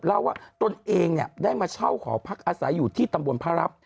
เล่าว่าตนเองได้มาเช่าหอพักอาศัยอยู่ที่ตำบลพระรับ